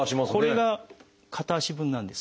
これが片足分なんです。